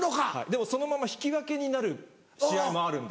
でもそのまま引き分けになる試合もあるんですよ。